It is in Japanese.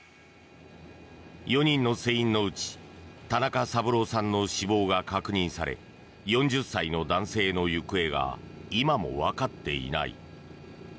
４人の船員のうち田中三郎さんの死亡が確認され４０歳の男性の行方が今もわかっていない。